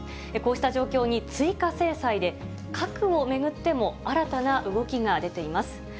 こうした状況に追加制裁で、核を巡っても新たな動きが出ています。